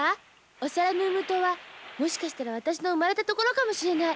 オサラームームー島はもしかしたら私の生まれたところかもしれない。